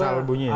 asal bunyi ya